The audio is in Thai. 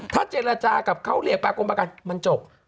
ถ้าเจรจากับเขาเรียกปากรมประกันมันจบ